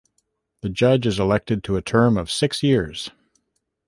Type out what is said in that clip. The Judge is elected to a term of six years.